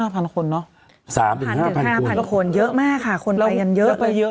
๓๕พันคนเนาะ๓๕พันคนเยอะมากค่ะคนไปกันเยอะ